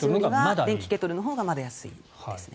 電気ケトルのほうがまだ安いですね。